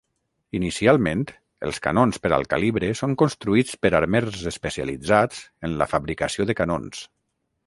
Inicialment, els canons per al calibre són construïts per armers especialitzats en la fabricació de canons.